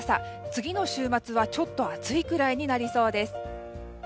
次の週末はちょっと暑いくらいになりそうです。